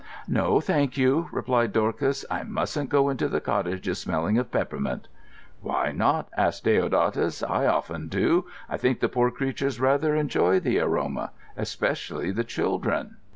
"No, thank you," replied Dorcas. "I mustn't go into the cottages smelling of peppermint." "Why not?" asked Deodatus. "I often do. I think the poor creatures rather enjoy the aroma—especially the children."